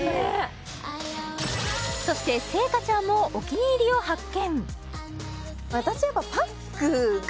そして星夏ちゃんもお気に入りを発見